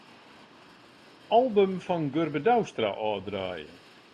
Album fan Gurbe Douwstra ôfdraaie.